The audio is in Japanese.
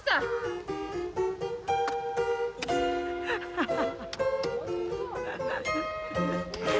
ハハハハ。